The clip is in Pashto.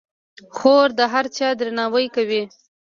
خور د هر چا درناوی کوي.